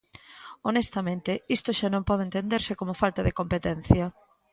Honestamente, isto xa non pode entenderse como falta de competencia.